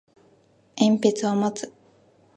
鉛筆を持つ